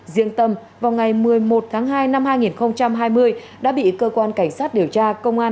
riêng tâm vào ngày một mươi một tháng hai năm hai nghìn hai mươi đã bị cơ quan cảnh sát điều tra công an